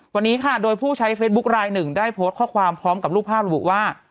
วันนี้ค่ะโดยผู้ใช้เฟซบุ๊คลายหนึ่งได้โพสต์ข้อความพร้อมกับรูปภาพระบุว่า